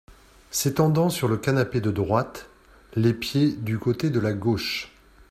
S’étendant sur le canapé de droite, les pieds du côté de la gauche.